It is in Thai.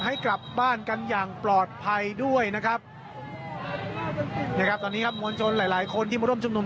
ให้กลับบ้านกันอย่างปลอดภัยด้วยนะครับนะครับตอนนี้ครับมวลชนหลายหลายคนที่มาร่วมชุมนุม